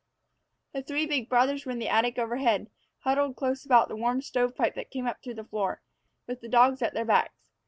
The three big brothers were in the attic overhead, huddled close about the warm stovepipe that came up through the floor, with the dogs at their backs.